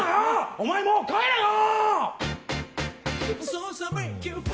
お前、もう帰れよ！